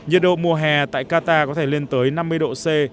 nhiệt độ mùa hè tại qatar có thể lên tới năm mươi độ c